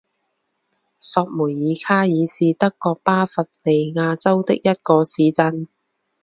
索梅尔卡尔是德国巴伐利亚州的一个市镇。